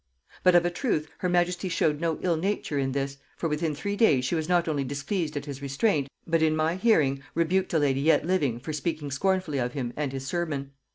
But of a truth her majesty showed no ill nature in this, for within three days she was not only displeased at his restraint, but in my hearing rebuked a lady yet living for speaking scornfully of him and his sermon.